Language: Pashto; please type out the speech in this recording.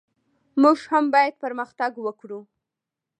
موږ هم باید پرمختګ وکړو.